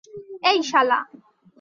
এই, শালা।